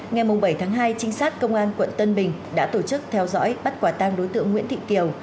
ngày bảy tháng hai trinh sát công an quận tân bình đã tổ chức theo dõi bắt quả tang đối tượng nguyễn thị kiều